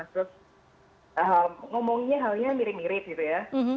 terus ngomongnya halnya mirip mirip gitu ya